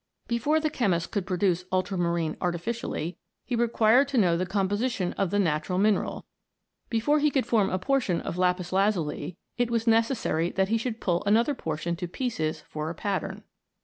Before the chemist could produce ultramarine artificially, he required to know the composition of the natural mineral ; before he could form a por tion of lapis lazuli, it was necessary that he should pull another portion to pieces for a pattern.